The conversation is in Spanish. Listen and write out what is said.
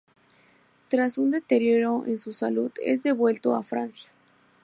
Tras un deterioro en su salud es devuelto a Francia.